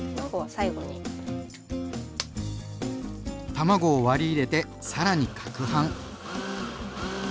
卵を割り入れてさらにかくはん。